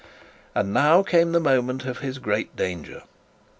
And now came the moment of his great danger.